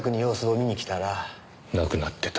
亡くなってた。